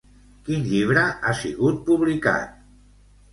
Quin llibre ha sigut publicat?